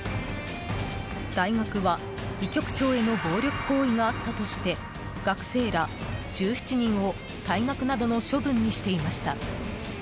大学は、医局長への暴力行為があったとして学生ら１７人を退学などの処分にしていました。